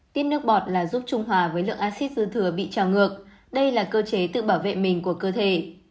tiếp nước bọt là giúp trung hòa với lượng acid dư thừa bị trào ngược đây là cơ chế tự bảo vệ mình của cơ thể